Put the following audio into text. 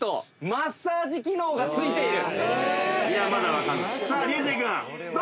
マッサージ機能が付いてる。